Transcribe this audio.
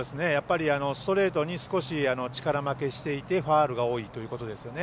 ストレートに少し力負けしてファウルが多いということですね。